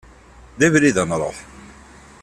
D abrid ad nruḥ.